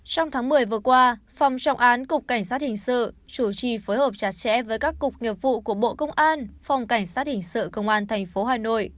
trong tháng một mươi vừa qua phòng trọng án cục cảnh sát hình sự chủ trì phối hợp chặt chẽ với các cục nghiệp vụ của bộ công an phòng cảnh sát hình sự công an tp hà nội